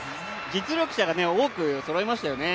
実力者が多くそろいましたよね。